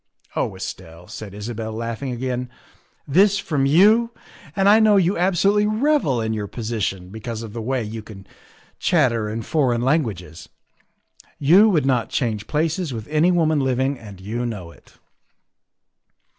''" Oh Estelle," said Isabel, laughing again, " this from you, and I know you absolutely revel in your posi tion because of the way you can chatter in foreign lan guages. You would not change places with any woman living, and you know it."